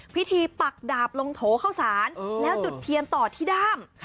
ปักดาบลงโถเข้าสารแล้วจุดเทียนต่อที่ด้าม